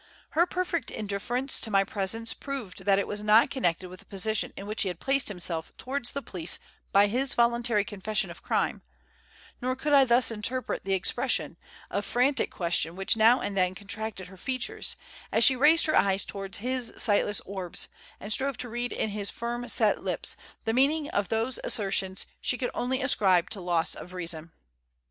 Her perfect indifference to my presence proved that it was not connected with the position in which he had placed himself towards the police by his voluntary confession of crime, nor could I thus interpret the expression, of frantic question which now and then contracted her features, as she raised her eyes towards his sightless orbs, and strove to read in his firm set lips the meaning of those assertions she could only ascribe to loss of reason.